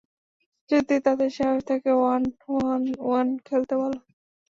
যদি তাদের সাহস থাকে, ওয়ান-অন-ওয়ান খেলতে বলো।